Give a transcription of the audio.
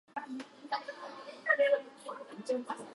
ボイスコレクションが拒否されている理由がわからない。